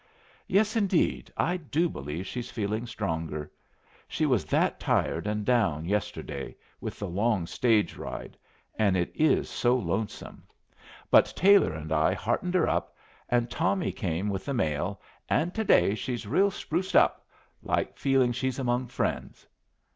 "Yes, indeed! I do believe she's feeling stronger. She was that tired and down yesterday with the long stage ride, and it is so lonesome! But Taylor and I heartened her up, and Tommy came with the mail, and to day she's real spruced up like, feeling she's among friends."